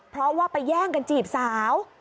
เพราะว่าไปแย่งกันจีบสาว